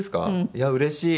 いやうれしい。